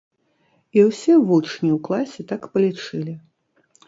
І ўсе вучні ў класе так палічылі.